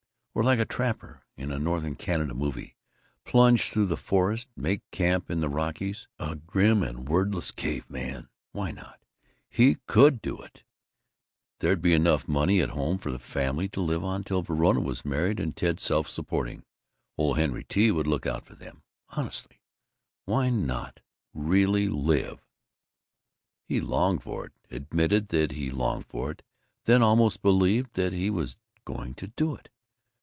Or, like a trapper in a Northern Canada movie, plunge through the forest, make camp in the Rockies, a grim and wordless caveman! Why not? He could do it! There'd be enough money at home for the family to live on till Verona was married and Ted self supporting. Old Henry T. would look out for them. Honestly! Why not? Really live He longed for it, admitted that he longed for it, then almost believed that he was going to do it.